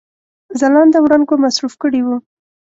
ځلانده وړانګو مصروف کړي وه.